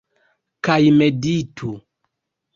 Kaj meditu.